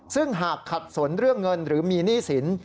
ซึ่งหากขัดสนเรื่องเงินหรือมีหนี้สิน